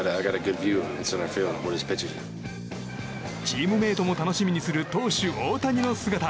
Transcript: チームメートも楽しみにする投手・大谷の姿。